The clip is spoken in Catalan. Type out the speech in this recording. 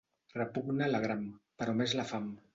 Repugna l'agram, però més la fam.